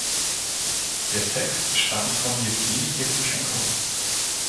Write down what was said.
Der Text stammt von Jewgeni Jewtuschenko.